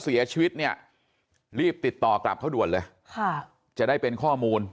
เสียชีวิตเนี่ยรีบติดต่อกลับเขาด่วนเลยค่ะจะได้เป็นข้อมูล